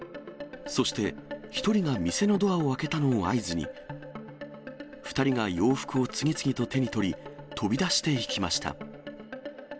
そして、１人が店のドアを開けたのを合図に、２人が洋服を次々と手に取り、飛び出していきました。